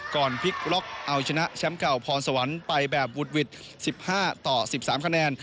พลิกล็อกเอาชนะแชมป์เก่าพรสวรรค์ไปแบบวุดหวิด๑๕ต่อ๑๓คะแนน